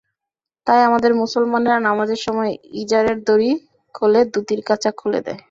তাই আমাদের মুসলমানেরা নমাজের সময় ইজারের দড়ি খোলে, ধুতির কাছা খুলে দেয়।